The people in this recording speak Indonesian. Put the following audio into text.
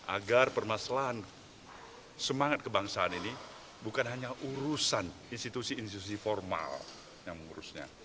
agar permasalahan semangat kebangsaan ini bukan hanya urusan institusi institusi formal yang mengurusnya